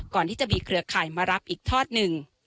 ก่อนที่จะมีเครือข่ายมารับอีกทอดหนึ่ง